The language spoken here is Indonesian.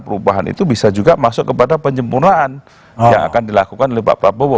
perubahan itu bisa juga masuk kepada penyempurnaan yang akan dilakukan oleh pak prabowo